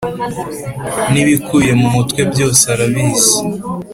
n’ibikubiye mu mutwe byose arabizi